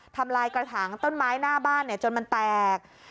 ทำลายกระถางต้นไม้หน้าบ้านจนมันแตก